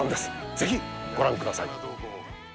ぜひご覧ください